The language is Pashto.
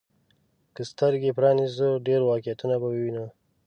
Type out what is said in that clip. که سترګي پرانيزو، ډېر واقعيتونه به ووينو.